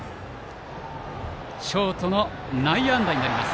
ショートへの内野安打になります。